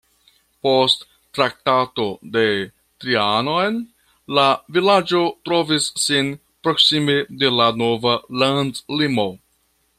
Post Traktato de Trianon la vilaĝo trovis sin proksime de la nova landlimo.